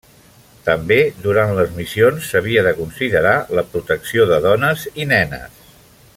També durant les missions s'havia de considerar la protecció de dones i nenes.